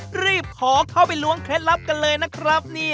รีบขอเข้าไปล้วงเคล็ดลับกันเลยนะครับ